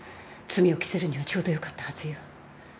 罪を着せるにはちょうどよかったはずよ。